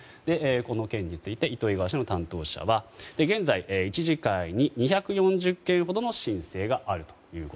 この件について糸魚川市の担当者は現在１次会に２４０件ほどの申請があると。